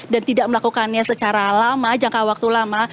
dan tidak melakukannya secara lama jangka waktu lama